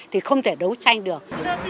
thì không thể đấu tranh được